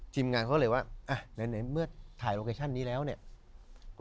ทีมงานเขาเลยว่าอ่ะไหนเมื่อถ่ายโลเคชั่นนี้แล้วเนี่ย